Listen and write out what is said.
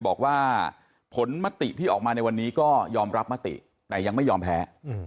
บอกว่าผลมติที่ออกมาในวันนี้ก็ยอมรับมติแต่ยังไม่ยอมแพ้